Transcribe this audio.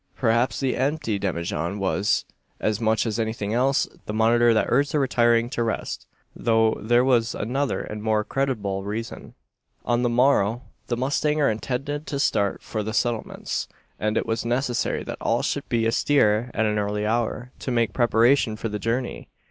Perhaps the empty demijohn was, as much as anything else, the monitor that urged their retiring to rest; though there was another and more creditable reason. On the morrow, the mustanger intended to start for the Settlements; and it was necessary that all should be astir at an early hour, to make preparation for the journey.